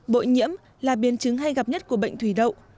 bội nhiễm là biến chứng hay gặp nhất của bệnh thủy đậu